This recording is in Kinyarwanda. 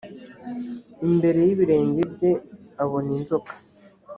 imbere y ibirenge bye abona inzoka